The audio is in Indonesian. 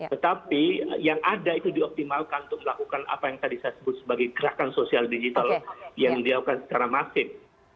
tetapi yang ada itu dioptimalkan untuk melakukan apa yang tadi saya sebut sebagai gerakan sosial digital yang dilakukan secara masif